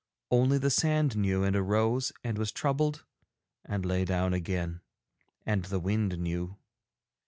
Only the sand knew and arose and was troubled and lay down again, and the wind knew.